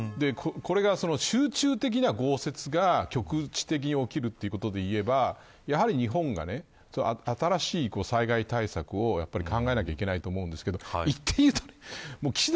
これが集中的な豪雪が局地的に起きるということでいえばやはり日本が新しい災害対策を考えなきゃいけないと思うんですけど岸田